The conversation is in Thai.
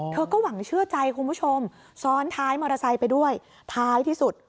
หวังเชื่อใจคุณผู้ชมซ้อนท้ายมอเตอร์ไซค์ไปด้วยท้ายที่สุด